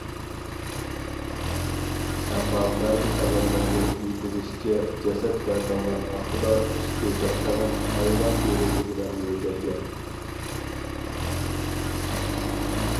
ئەمما بەزى خەۋەرلەردە ئېيتىلىشىچە، جەسەت بايقالغان ۋاقتىدا ئۈستى بىر قەۋەت ھايۋان تېرىسى بىلەن يۆگەلگەن.